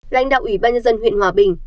lãnh đạo ủy ban nhân dân huyện hòa bình